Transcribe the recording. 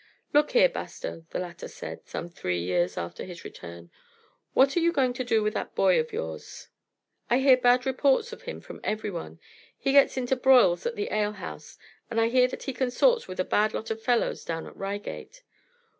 "Look here, Bastow," the latter said, some three years after his return, "what are you going to do with that boy of yours? I hear bad reports of him from everyone; he gets into broils at the alehouse, and I hear that he consorts with a bad lot of fellows down at Reigate.